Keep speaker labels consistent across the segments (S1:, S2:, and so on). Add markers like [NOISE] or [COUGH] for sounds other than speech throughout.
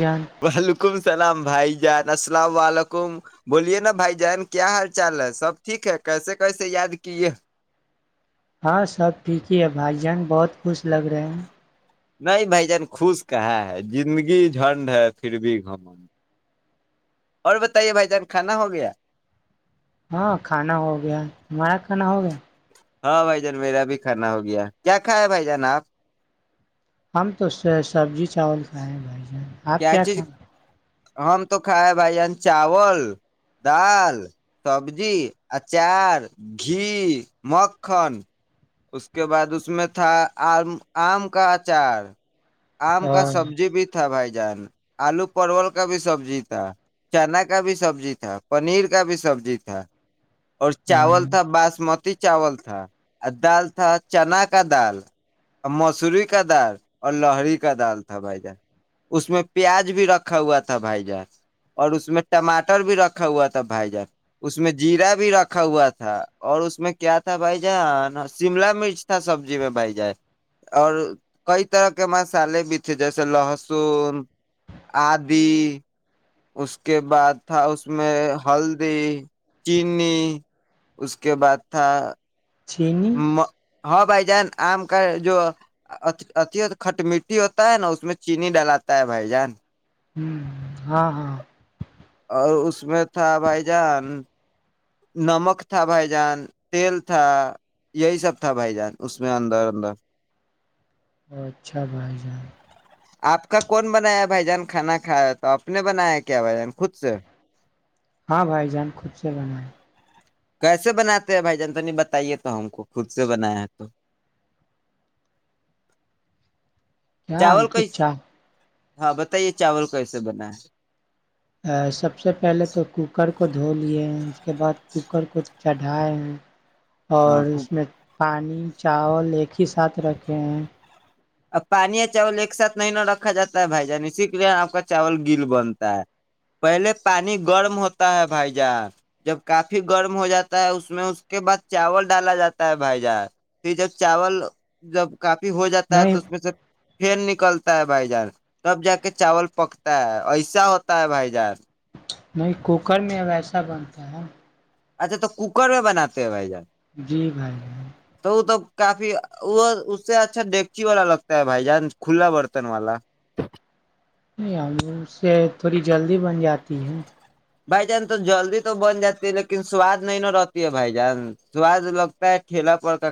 S1: جان
S2: وعلیکم السلام بھائی جان السلام ععلیکم بولیے نا بھائی جان کیا حال چال ہے سب ٹھیک ہے کیسے کیسے یاد کیے
S1: ہاں سب ٹھیک ہی ہے بھائی جان بہت خوش لگ رہے ہیں
S2: نہیں بھائی جان خوش کہا ہے زندگی جھنڈ ہے پھر بھی گمن اور بتائیے بھائی جان کھانا ہو گیا
S1: ہاں کھانا ہو گیا ہم کناا ہو گیا
S2: ہاں بھائی جان میرا بھی کھانا ہو گیا کیا کھایا بھائی جان آپ
S1: ہم تو س سبزی چاول کھائیں بھائی جان آپ کیا کھائیں
S2: ہم تو کھائےائے بھائی جان چاول دال سبزی اچار گھی مکھن اس کے بعد اس میں تھا آم آم کا اچار کا
S1: کھائیں
S2: سبزی بھی تھا بھائی ج آلو پرول کا بھی سبزی تھا چنا کا بھی سبزی تھا پنیر کا بھی سبزی تھا اور چاول تھا باسمتی چاول تھا دال تھا چنا کا دال اور مسوری کا دال اور لہری کا دال تھا ھ اس میں پیاز بھی رکھا ہوا تھا بھائی جان اور اس میں ٹماٹر بھی رکھا ہوا تھا بھائی جان اس میں جیرا بھی رکھا ہوا تھا اور اس میں کیا تھا بھائی جانا شملا مرچ تھا سبزی میں بھائی جائے اور کئی طرح کے مسالے بھی ا جیسے لہسن آدی اس کے بعد تھا اس میں ہلدی چی اس کے بعد تھا
S1: چینی
S2: م... ہاں بھائی جان آم کا جو اھی کھٹ مٹی ہوتا ہے نا اس میں چینی ڈلاتا ہے بھائی جان
S1: ہ ہاں ہاں
S2: اور اس میں تھا بھائی جان نمک تھا بھائی جان تیل تھا یہی سب تھا بھائی جان اس میں اندر اندر
S1: اچھا بھائی جان
S2: آپ کا کون بنایا بھائی جان کھانا کھیا تو آپ نے بنایا کیا بھ جان خود سے
S1: ہاں بھائی جان خچ سے بنا ہے
S2: کیسے بناتے ہیں بھائی جان تو نہیں بتائیے تو ہم کو خود سے بنایا تو
S1: کیا
S2: چاول کیس
S1: امتچھا
S2: ہاں بتائیے چاول کیسے بنا ہے
S1: سب سے پہلے تو کوکر کو دھو لیے اس کے بعد کوکر کو چڑھائے ہیں
S2: ہاں
S1: اور
S2: خوب،
S1: اس میں چاول ایک ہی ساتھ رکھے ہیں
S2: پانی چول ایک ساتھ نہیں نہ رکھا جاتا ہے بھائی جان اسی لیے اپ کا چاول گل بنتا ہے
S1: نہیں
S2: [INAUDIBLE] نکلتا ہے بھائی جان سب جا کے چاول پکتا ہے ایسا ہوتا ہے بھائی جان
S1: نہیں کوکر میں ویسا بنتا ہے
S2: اچھا تو ککر میں بناتے ہو بھائی جان
S1: جی بھائی
S2: تو وہ تو کافی اور اس سے اچھا نیکی والا لگتا ہے بھائی جان کھلا برتن والا
S1: سے تھوڑی جلدی بن جاتی ہے
S2: بھائی جان تم جلدی تو بن جاتی لیکن سواد میں روتی ہے بھائی جان دعا پہ کھیلا پڑ کر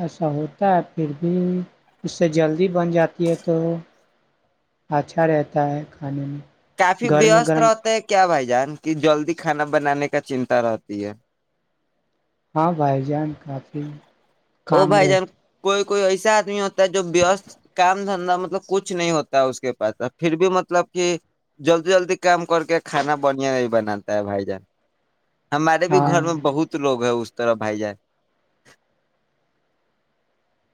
S1: ایسا ہوتا ہے اردو اس سے جلد بن جاتی ہے تو اچھا رہتا ہے کھانے میں
S2: کافی
S1: گرم
S2: ویست
S1: گرم
S2: رہتے ہیں بھائی جان جان کی جلدی کھانا بنانے کا چنتا راتی ہے
S1: بھائی جان ہاں اج کے
S2: او
S1: کام
S2: بھائی
S1: رہے
S2: جان کوئی کوئی ایسا ادمی ہوتا ہے جو کام میں تو کچھ نہیں ہوتا اس کے پاس پھر بھی مطلب کہ جلدی جلدی کام کر کے کھانا بولی نہیں بناتا ہے بھائی جان ہمارے بھی
S1: ہاں
S2: گھر میں بہت لوگ ہیں اس کہ بھائی جان [INAUDIBLE]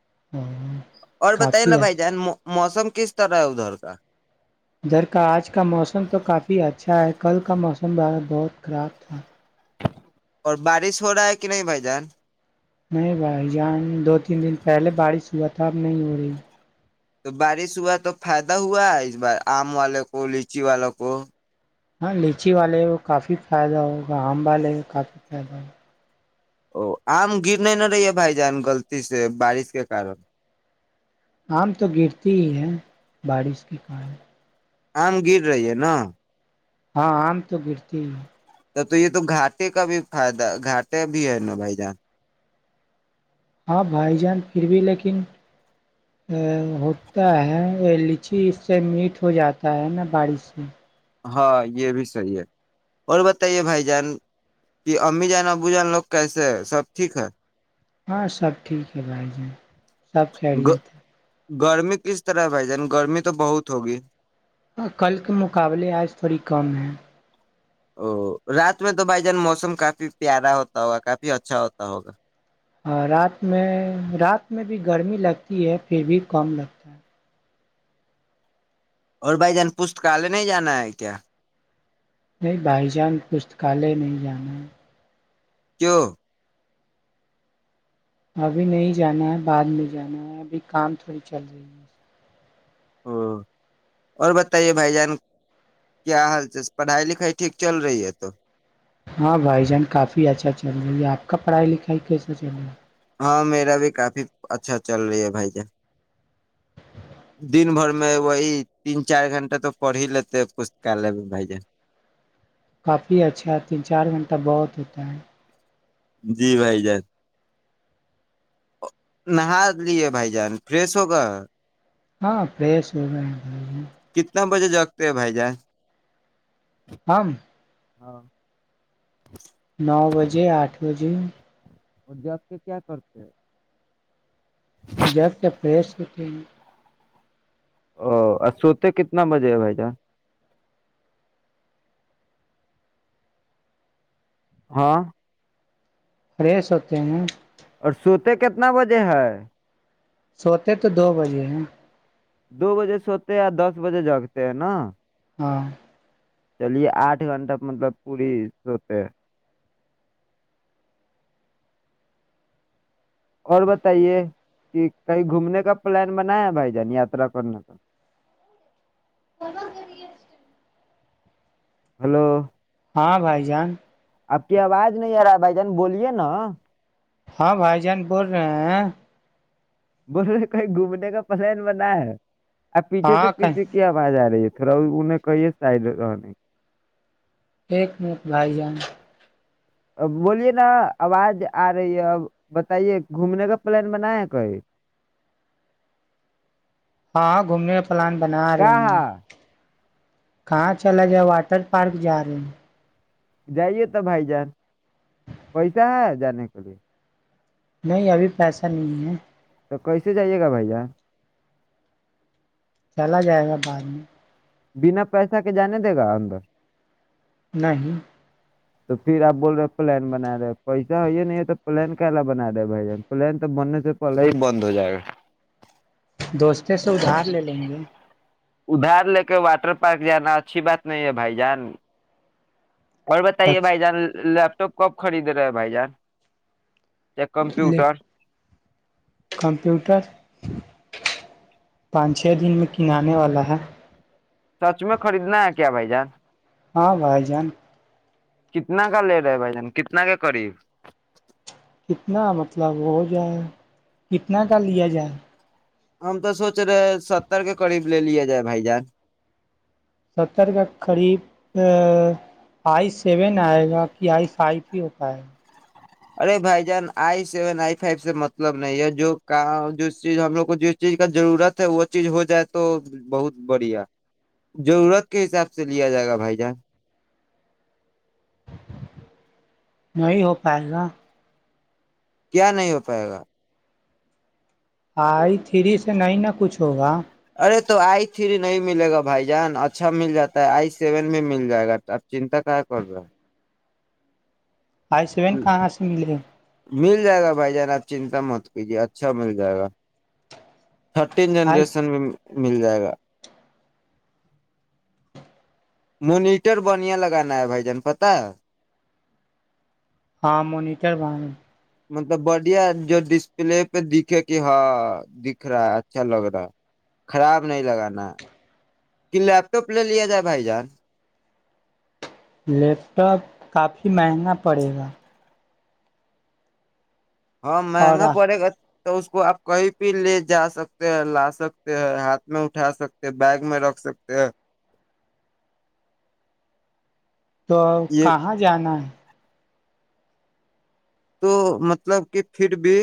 S1: [INAUDIBLE]
S2: اور بتائیں نا
S1: کافی ہے
S2: بھائی جان موسم کس طرح ہے ادھر کا
S1: گھر کا اج کا موسم تو کافی اچھا ہے کل کا موسم میں بہت خراب تھا
S2: اور بارش ہو رہا ہے کہ نہیں بھائی جان
S1: نہیں بھائی جان دو تین دن پہلے بارش ہوا تھا اب نہیں ہو رہی
S2: بارش ہوا تو فائدہ ہوا اس بار ام والے کو لیچی والوں کو
S1: نیچے والے کافی فائدہ ہوگا ام والے
S2: ام گرنے نہ رہی ہے بھائی جان غلطی سے بارش کے کرو
S1: ام تو گرتی ہی ہیں بارش کی کارن
S2: اہم گیر رہی ہے نا
S1: ہاں ام تو گرتی ہے
S2: تو یہ تو گاتے کا بھی گھاٹے ابھی ہے نا بھائی جان
S1: یہ بھی لیکن ا ہوتا ہے لچھی اس سے میٹ ہو جاتا ہے نا باڑی سے
S2: ہاں یہ بھی صحیح ہے اور بتائیے بھائی جان کہ امی جان ابو جان لوگ کیسے ہے سب ٹھیک ہے
S1: ہاں سب ٹھیک ہے بھائی جان سب خیریت
S2: گرمی کس طرح ہے بھائی جان گرمی تو بہت ہوگی
S1: اور کل کے مقابلے آج تھوڑی کم ہیں
S2: او رات میں تو بھائی جان موسم کافی پیارا ہوتا ہوگا کافی اچھا ہوتا ہوگا
S1: اور رات میں رات میں بھی گرمی لگتی ہے پھر بھی کم لگتا ہے
S2: اور بھائی جان پستکالیہ نہیں جانا ہے کیا
S1: نہیں بھائی جان پستکالیہ نہیں جانا ہے
S2: کیو
S1: ابھی نہیں جانا ہے بعد میں جانا ہے ابھی کام تھوڑی چل رہی ہے
S2: ا اور بتائیے بھائی جان کیا حال چ پڑھائی لکھائی ٹھیک چل رہی ہے تو
S1: ہاں بھائی جان کافی اچھا چل رہا ہے آپ کا پڑھائی لکھائی کیسا چل رہا
S2: ہاں میرا بھی کافی اچھا چل رہی ہے بھائی ج دن بھر میں وہی تین چار گھنٹہ تو پڑ ہی لیتے پستکال میں بھائی جان
S1: کافی اچھا تین چار گھنٹہ بہت ہوتا ہے
S2: جی بھائی جان نہا لیے بھائی جان فریش ہوگا
S1: ہاں پس ہو رہ ہیں
S2: کتنا بجے جگتے ہو بھائی جا
S1: ہم
S2: ہاں
S1: نو بجے آٹھ بجے جی
S2: اور جاگ کے کیا کرتے
S1: جگ کے فریش ہوتے ہیں
S2: او اور سوتے کتنا بجے ہے بھائی جان ہاں
S1: فریش ہوتے ہیں
S2: اور سوتے کتنا بجے ہے
S1: سوتے تو دو بجے ہیں
S2: دو بجے سوتے ہیں دس بجے جگتے ہیں نا
S1: ہاں
S2: چلیے آٹھ گھنٹہ مطلب پوری سوتے ہیں اور بتائیے کہ کہیں گھومنے کا پلان بنایا بھائی جان یاترا کرنے کا
S1: ہوو
S2: ہلو
S1: ہاں بھائی جان
S2: آپ کی آواز نہیں آ رہا ہے بھائی جان بولیے نا
S1: ہاں بھائی جان بول رہے ہیں
S2: مسے کہیں گھومنے کا پسند بنا ہے اب پیچھے تو
S1: ہاں
S2: پیھ
S1: کہیں
S2: کی آواز آ رہی ہے تھی تھرا ہ انے کہئیے سائڈ رہنے
S1: ایک م ایک بھائی جان
S2: ا بولیے نا آواز آ رہی ہے اب بتائیے گھومنے کا پلان بنایا کوئی
S1: ہاں گھومنے پ ل پ ن رہ کہاں چلا جائے واٹر پارک جا رہے ہیں
S2: جائیے تو بھائی جان پیسہ ہے جانے کے لیے
S1: نہیں ابھی پیسہ نہیں ہے
S2: تو کیسے جائیے گا بھیا
S1: چلا جائے گا بعد میں
S2: بنا پیسہ کے جانے دے گا اندر
S1: نہیں
S2: تو پھر آپ بول رہے ہیں پلان بنا رہے پیسہ ہے یہ نہیں تو پلان کلا بنا رہے بھائی جان پلان تو بننے سے پہلے ہی بند ہو جائے گا
S1: دوستتے سے ادھار لے لیں گے
S2: ادھار لے کے واٹر پارک جانا اچھی بات نہیں ہے بھائی جان اور بتائیے بھائی جان تو کب خرید رہے بھائی جان یا کمپیوٹر
S1: [INAUDIBLE] پانچ چھ دن میں کنے والا ہے
S2: سچ میں خریدنا ہے کیا بھائی جان
S1: ہاں بھائی جان
S2: کتنا کا لے رہے بھائی جان کتنا کا قریب
S1: کتنا مطلب ہو جائے کتنا کا لیا جائے
S2: ہم تو سوچ رہے ستر کے قریب لے لے جائے بھائی جان
S1: ستر کا قریب آئی سیون آئے گا کہ آئی فائیو ہی ہو پائے گا
S2: ارے بھائی جان آئی سیون آئی فائیو سے مطلب نہیں ہے جو کام جس چیز ہم لوگ کو جس چیز کا ضرورت ہے وہ چیز ہو جائے تو بہت بڑھیا ضرورت کے حساب سے لیا جائے گا بھائی جان
S1: نہیںی ہو پائے گا
S2: کیا نہیں ہو پائے گا
S1: آئی تھری سے نہیں نہ کچھ ہوگا
S2: ارے تو آئی تھری نہیں ملے گا بھائی جان اچھا مل جاتا ہے آئی سیون بھی مل جائے گا آپ چنتا کیا کر رہے ہیں
S1: آئی سیون کہاں سے ملے
S2: مل جائے گا بھائی جان آپ چنتا مت کیجیے اچھا مل جائے گا تھرٹین
S1: آئی
S2: جنریشن میں مل جائے گا مونیٹر بنیا لگانا ہے بھائی جان پتا
S1: ہاں منیٹر ب
S2: مطلب بڑھیا جو ڈسپلے پہ دکھے کہ ہاں دکھ رہا اچھا لگ رہا خراب نہیں لگانا کہ لیپٹاپ لے لیا جائے بھائی جان
S1: لیپ ٹاپ کافی مہنگا پڑے گا
S2: ہاں
S1: اور
S2: مہنگا پڑے گا تو اس کو آپ کہیں بھی لے جا سکتے ہیں لا سکتے ہیں ہاتھ میں اٹھا سکتے ہیں بیگ میں رکھ سکتے ہیں
S1: تو
S2: یہ
S1: کہاں جانا ہے
S2: تو مطلب کہ پھر بھی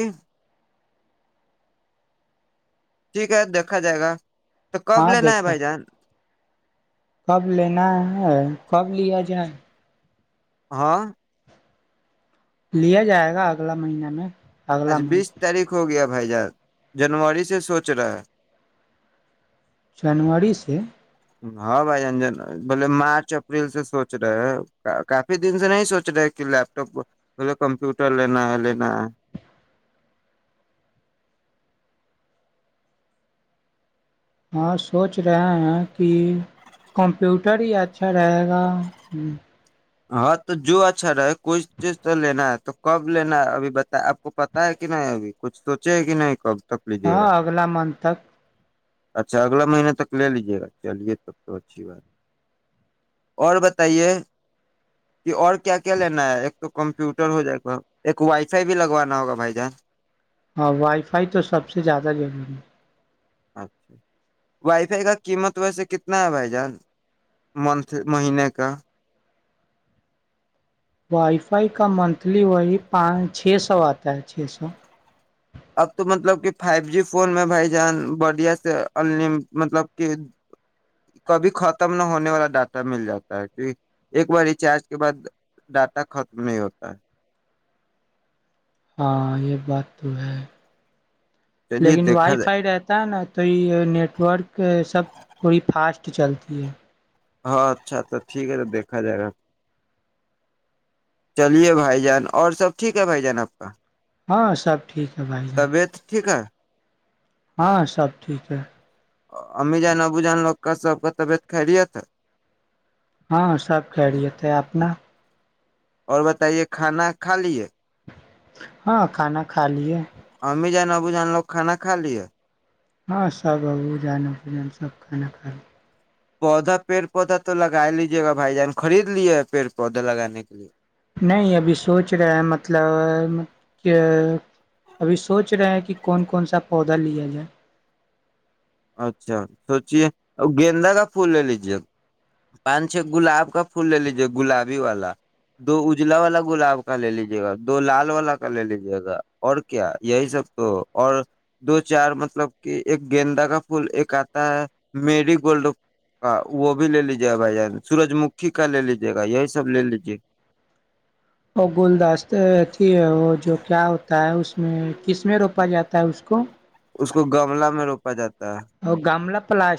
S2: ٹھیک ہے دیکھا جائے گا تو کب
S1: ہاں
S2: لینا ہے
S1: دیکھا
S2: بھائی جان
S1: کب لینا ہے کب لیا جا
S2: ہاں
S1: لیا جائے گا اگلا مہیین میں اگلا
S2: اچھا بیس
S1: منتھ
S2: تاریخ ہوگی اب بھائی جان جنوری سے سوچ رہا ہے
S1: جنووری سے
S2: ہاں بھائی انجن بولے مارچ اپریل سے سوچ رہے ہیں کافی دن سے نہیں سوچ رہے کہ لیپٹاپ بولے کمپیوٹر لینا ہے لینا ہے
S1: ہاں سوچ رہے ہیں کہ کمپیوٹر ہی اچھا رہے گا ہ
S2: ہاں تو جو اچھا رہے کوئی چیز تو لینا ہے تو کب لینا ہے ابھی بتا آپ کو پتا ہے کہ نہیں ابھی کچھ سوچے ہے کہ نہیں کب تک لیجیے گا
S1: ہاں اگلا منتھ تک
S2: اچھا اگلا مہینے تک لے لیجے گا چلیے تب تو اچھی بات اور بتائیے کہ اور کیا لینا ہے ایک تو کمپیوٹر ہو جائے گا ایک وائی فائی بھی لگوانا ہوگا بھائی جان
S1: ہاں وائی فائی تو سب سے زیادہ ضروری ہے
S2: اچھا وائی فائی کا قیمت ویسے کتنا ہے بھائی جان منتھ مہینے کا
S1: وائی فائی کا منتھلی وہی پانچ چھ سو آتا ہے چھ سو
S2: اب تو مطلب کہ فائیو جی فون میں بھائی جان بڑھیا سے ان مطلب کہ کبھی ختم نہ ہونے والا ڈاٹا مل جاتا ہے کی ایک بار ریچارج کے بعد ڈاٹا ختم نہیں ہوتا ہے
S1: ہاں یہ بات تو ہے
S2: چلیے
S1: لیکن
S2: دیکھا
S1: وائی
S2: جائے
S1: فائی رہتا ہے نا تو یہ نیٹورک سب تھوڑی فاسٹ چلتی ہے
S2: ہاں اچھاھا ٹھیک ہے تو دیکھا جائے گا چلیے بھائی جان اور سب ٹھیک ہے بھائی جان آپ کا
S1: ہاں سب ٹھیک ہے بھائی جان
S2: طبیعت ٹھیک ہے
S1: ہاں سب ٹھیک ہے
S2: امی جان ابو جان لوگ کا سب کا طبیعت خیریت ہے
S1: ہاں سب خیریت ہے اپنا
S2: اور بتائیے کھانا کھا لیے
S1: ہاں کھانا کھا لیے
S2: امی جان ابو جان لوگ کھانا کا لی ہے
S1: ہاں سب لوگ امی جان ابو جان سب کھانا کھا لیے
S2: پودا پیڑ پودا تو لگا لیجیے گا بھائی جان خرید لیے پیڑ پودے لگانے کے لیے
S1: نہیں ابھی سوچ رہے ہیں مطلب کہ ابھی سوچ رہے ہیں کہ کون کون سا پودا لیا جائے
S2: اچھا سوچیے گیندا کا پھول لے لیجے پانچ چھ گلاب کا پھول لے لیجے گلابی والا دو اجلا والا گلاب کا لے لیجے گا دو لال والا کا لے لیجے گا اور کیا یہی سب تو اور دو چار مطلب کہ ایک گیندا کا پ ایک آتا ہے میری گولڈ کا وہ بھی لے لیجے گا بھائی جان سورج مکھی کا لے لیجیے گا یہی سب لے لیجے
S1: اور گلدستتی ہے وہ جو کیا ہوتا ہے اس میں کس میں روپا جاتا ہے اس کو
S2: اس کو گملہ میں روپا جاتا ہے
S1: [INAUDIBLE] پلاش